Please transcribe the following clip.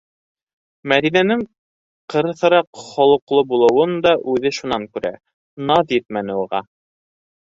Мәҙинәнең ҡырыҫыраҡ холоҡло булыуын да үҙе шунан күрә: наҙ етмәне уға.